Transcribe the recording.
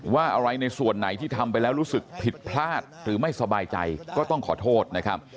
อะไรในส่วนไหนที่ทำไปแล้วรู้สึกผิดพลาดหรือไม่สบายใจก็ต้องขอโทษนะครับ